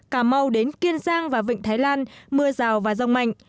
cà mau đến kiên giang và vịnh thái lan mưa rào và rông mạnh